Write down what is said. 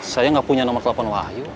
saya nggak punya nomor telepon wahyu